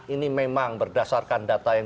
ini memang berdasarkan data yang